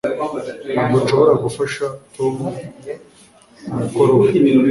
Ntabwo nshobora gufasha Tom kumukoro we